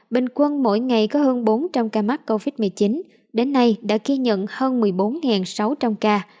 bình quân mỗi ngày có hơn bốn trăm linh ca mắc covid một mươi chín đến nay đã ghi nhận hơn một mươi bốn sáu trăm linh ca